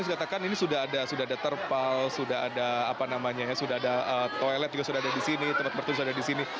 dikatakan ini sudah ada terpal sudah ada apa namanya ya sudah ada toilet juga sudah ada di sini tempat bertugas ada di sini